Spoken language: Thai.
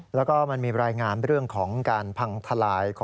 นี่แหละนี่แหละนี่แหละนี่แหละนี่แหละ